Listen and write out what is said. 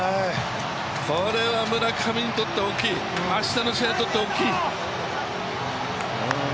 これは村上にとって大きい明日の試合にとって大きい。